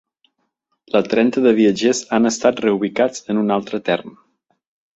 La trenta de viatgers han estat reubicats en un altre tern.